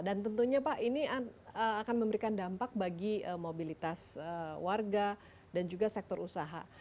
dan tentunya pak ini akan memberikan dampak bagi mobilitas warga dan juga sektor usaha